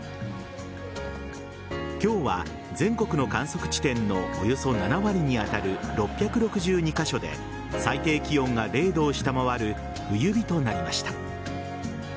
今日は全国の観測地点のおよそ７割に当たる６６２カ所で最低気温が０度を下回る冬日となりました。